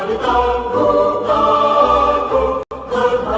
p situasi ini